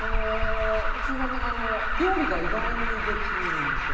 うちの旦那が料理が意外にできるんですよ。